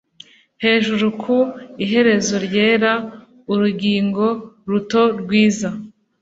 Hejuru ku iherezo ryera; urugingo ruto rwiza;